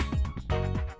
đi tự hướng